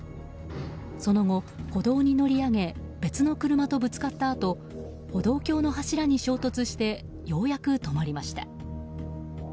その後、歩道に乗り上げ別の車とぶつかったあと歩道橋の柱に衝突してようやく止まりました。